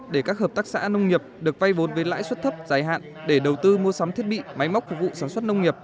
để các hợp tác xã nông nghiệp được vay vốn với lãi suất thấp giải hạn để đầu tư mua sắm thiết bị máy móc phục vụ sản xuất nông nghiệp